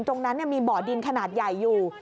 ตรงนั้นมีบ่อดินขนาดใหญ่อยู่